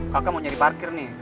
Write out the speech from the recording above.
kakak mau nyari parkir nih